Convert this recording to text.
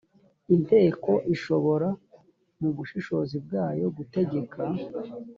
inteko ishobora mu bushishozi bwayo gutegeka